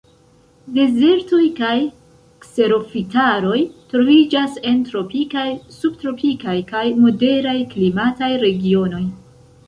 Dezertoj kaj kserofitaroj troviĝas en tropikaj, subtropikaj, kaj moderaj klimataj regionoj.